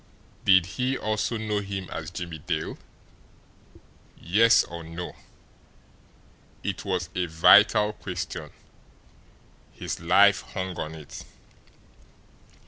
Did he also know him as Jimmie Dale? Yes, or no? It was a vital question. His life hung on it.